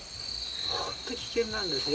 本当に危険なんですよ。